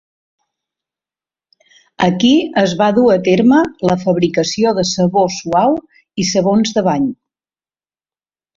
Aquí es va dur a terme la fabricació de sabó suau i sabons de bany.